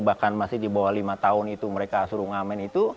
bahkan masih di bawah lima tahun itu mereka suruh ngamen itu